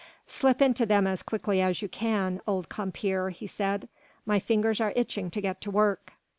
"Slip into them as quickly as you can, old compeer," he said, "my fingers are itching to get to work."